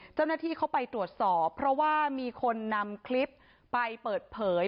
เจ้าหน้าที่เขาไปตรวจสอบเพราะว่ามีคนนำคลิปไปเปิดเผย